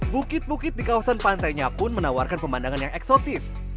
bukit bukit di kawasan pantainya pun menawarkan pemandangan yang eksotis